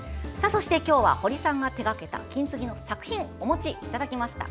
そして今日は堀さんが手がけた金継ぎの作品をお持ちいただきました。